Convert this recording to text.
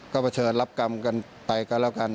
ก็เผชิญรับกรรมกันไปกันแล้วกัน